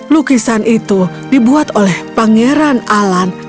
lukisan itu dibuat oleh pangeran alan